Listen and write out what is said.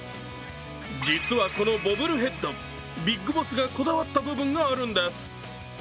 実は、このボブルヘッド、ＢＩＧＢＯＳＳがこだわった部分があるんです。